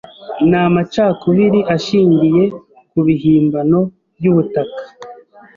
ni amacakubiri ashingiye kubihimbano byubutaka